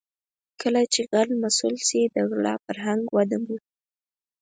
کله چې غل مسوول شي د غلا فرهنګ وده مومي.